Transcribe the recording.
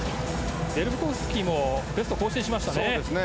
デルコフスキもベストを更新しましたね。